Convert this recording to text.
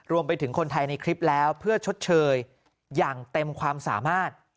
รวมไปถึงคนไทยในคลิปแล้วเพื่อชดเชยอย่างเต็มความสามารถ